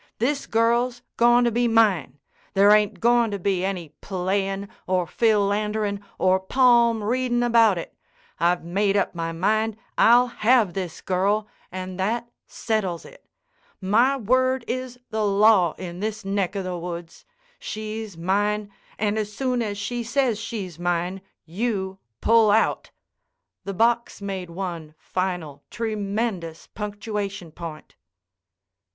This girl's goin' to be mine. There ain't going to be any playing, or philandering, or palm reading about it. I've made up my mind I'll have this girl, and that settles it. My word is the law in this neck o' the woods. She's mine, and as soon as she says she's mine, you pull out." The box made one final, tremendous punctuation point.